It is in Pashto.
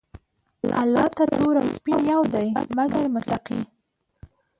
الله ج ته تور او سپين يو دي، مګر متقي.